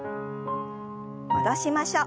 戻しましょう。